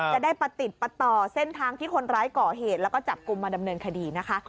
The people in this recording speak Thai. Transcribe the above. จะได้ประติดประต่อเส้นทางที่คนร้ายก่อเหตุแล้วก็จับกลุ่มมาดำเนินคดีนะคะ